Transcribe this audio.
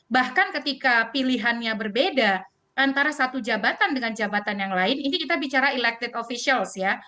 bahkan ketika pilihannya berbeda antara satu jabatan dengan jabatan yang lain ini kita bicara elected officials ya